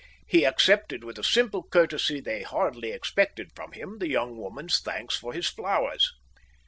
He accepted with a simple courtesy they hardly expected from him the young woman's thanks for his flowers.